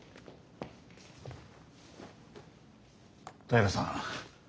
平良さん